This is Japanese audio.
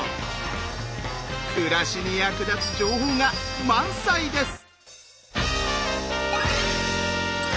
暮らしに役立つ情報が満載です！